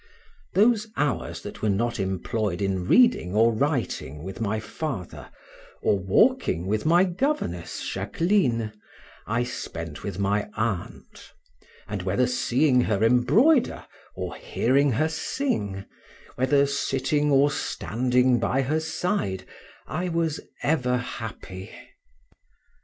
Those hours that were not employed in reading or writing with my father, or walking with my governess, Jaqueline, I spent with my aunt; and whether seeing her embroider, or hearing her sing, whether sitting or standing by her side, I was ever happy.